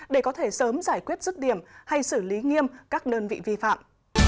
để có thể sớm giải quyết rứt điểm hay xử lý nghiêm các đơn vị vi phạm